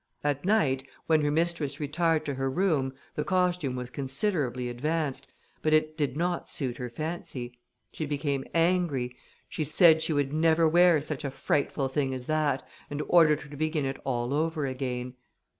At night, when her mistress retired to her room, the costume was considerably advanced, but it did not suit her fancy. She became angry; said she would never wear such a frightful thing as that, and ordered her to begin it all over again.